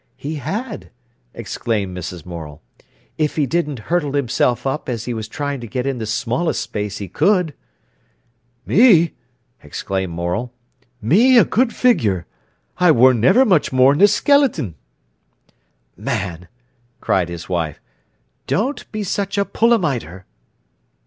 "He had," exclaimed Mrs. Morel, "if he didn't hurtle himself up as if he was trying to get in the smallest space he could." "Me!" exclaimed Morel—"me a good figure! I wor niver much more n'r a skeleton." "Man!" cried his wife, "don't be such a pulamiter!"